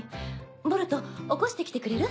ボルト起こしてきてくれる？